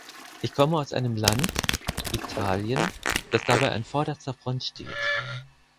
Ich komme aus einem Land, Italien, das dabei in vorderster Front steht.